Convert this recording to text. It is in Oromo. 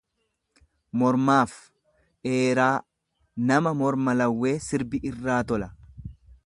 mormaaf đheeraa; Nama morma lawwee sirbi irraa tola.